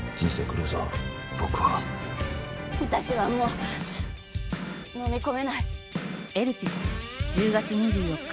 「私はもうのみ込めない」